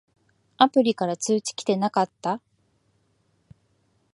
アプリから通知きてなかった？